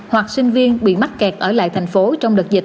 hoặc sinh viên bị mắc kẹt ở lại thành phố trong đợt dịch